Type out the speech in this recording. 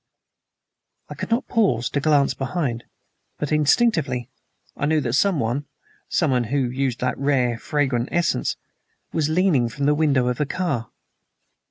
I could not pause to glance behind, but instinctively I knew that someone someone who used that rare, fragrant essence was leaning from the window of the car.